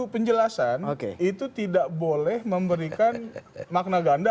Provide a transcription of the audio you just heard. penjelasan itu tidak boleh memberikan makna ganda